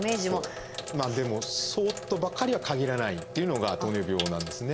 でもそうとばかりは限らないというのが糖尿病なんですね。